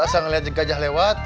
asal ngelihat jenggajah lewat